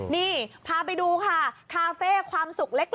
นี่พาไปดูค่ะคาเฟ่ความสุขเล็ก